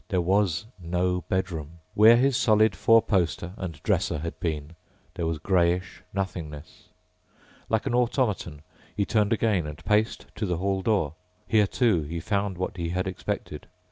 There was no bedroom. Where his stolid four poster and dresser had been there was greyish nothingness. Like an automaton he turned again and paced to the hall door. Here, too, he found what he had expected.